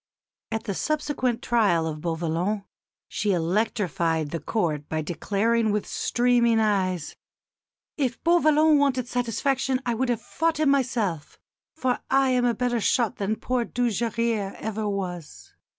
At the subsequent trial of Beauvallon she electrified the Court by declaring with streaming eyes, "If Beauvallon wanted satisfaction I would have fought him myself, for I am a better shot than poor Dujarrier ever was."